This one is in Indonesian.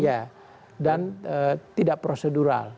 iya dan tidak prosedural